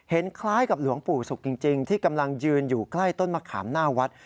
คล้ายกับหลวงปู่ศุกร์จริงที่กำลังยืนอยู่ใกล้ต้นมะขามหน้าวัด